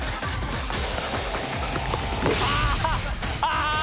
ああ！